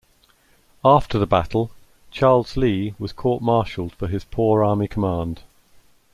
After the battle, Charles Lee was court martialed for his poor army command.